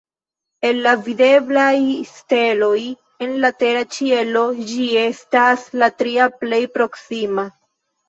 El la videblaj steloj en la tera ĉielo, ĝi estas la tria plej proksima.